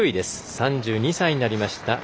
３２歳になりました。